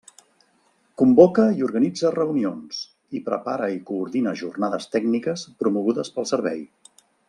Convoca i organitza reunions, i prepara i coordina jornades tècniques promogudes pel Servei.